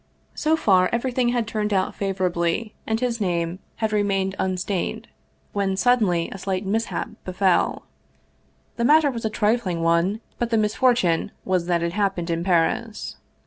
So far everything had turned out favorably, and his name " had remained unstained," when suddenly a slight mishap befell. The matter was a trifling one, but the misfortune was that it happened in Paris.